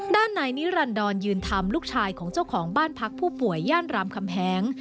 ด้านนายนิรันดรยืนธรรมลูกชายของเจ้าของบ้านพักผู้ป่วยย่านรามคำแหง